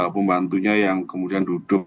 pembantunya yang kemudian duduk menjadi pengusaha